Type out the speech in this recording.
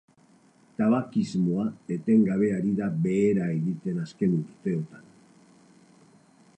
Tabakismoa etengabe ari da behera egiten azken urteotan.